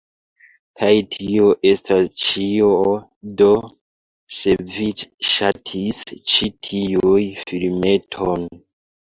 Kaj tio estas ĉio do se vi ŝatis ĉi tiun filmeton